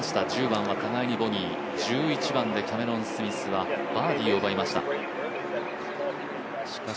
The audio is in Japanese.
１０番は互いにボギー、１１番でキャメロン・スミスはバーディーを奪いました。